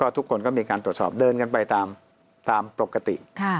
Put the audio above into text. ทุกคนก็มีการตรวจสอบเดินกันไปตามปกติ